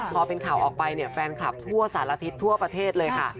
พอเป็นข่าวออกไปเนี่ยแฟนคลับทั่วสารทิศทั่วประเทศเลยค่ะ